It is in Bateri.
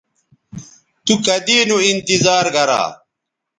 تو کدی نو انتظار گرا